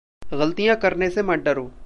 ग़लतियाँ करने से मत डरो।